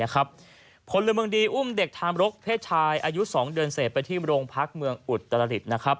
พลเมืองดีอุ้มเด็กทามรกเพศชายอายุ๒เดือนเสร็จไปที่โรงพักเมืองอุตรดิษฐ์